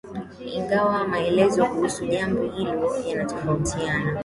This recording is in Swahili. ingawa maelezo kuhusu jambo hilo yanatofautiana